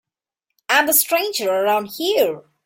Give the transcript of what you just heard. I'm the stranger around here.